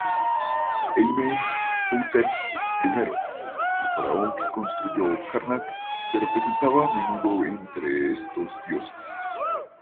Amenhotep I, el faraón que construyó Karnak, se representaba a menudo entre estos dioses.